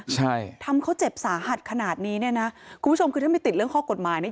ใช่ทำเขาเจ็บสาหัสขนาดนี้เนี่ยนะคุณผู้ชมคือถ้าไม่ติดเรื่องข้อกฎหมายเนี่ย